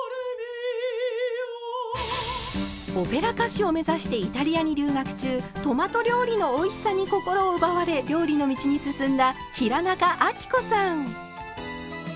オペラ歌手を目指してイタリアに留学中トマト料理のおいしさに心を奪われ料理の道に進んだ平仲亜貴子さん。